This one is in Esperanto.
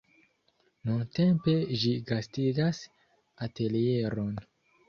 Nuntempe ĝi gastigas atelieron.